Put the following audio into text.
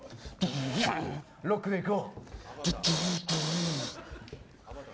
ロックでいこう。